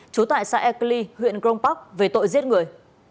trú tại xã ekeli huyện grongpak về tội giết người